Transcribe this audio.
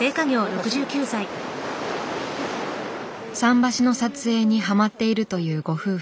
桟橋の撮影にハマっているというご夫婦。